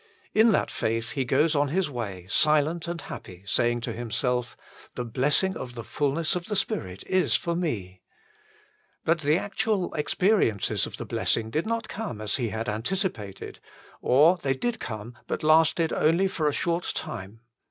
In that faith he goes on his way, silent and happy, saying to himself :" The blessing of the fulness of the Spirit is for me." But the actual ex 110 THE FULL BLESSING OF PENTECOST periences of the blessing did not come as he had anticipated ; or they did come, but lasted only for a short time.